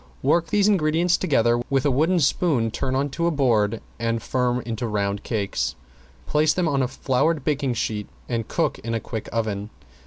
Work these ingredients together, with a wooden spoon turn on to a board and form into round cakes. Place them on a floured baking sheet and cook in a quick oven.